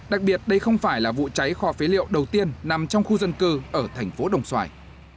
đặc biệt đây không phải là vụ cháy kho phế liệu đầu tiên nằm trong khu dân cư ở thành phố đồng xoài